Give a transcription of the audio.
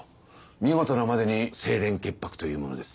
見事なまでに清廉潔白というものです。